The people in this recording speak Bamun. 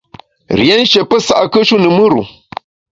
Rié nshié pesa’kùe-shu ne mùr-u.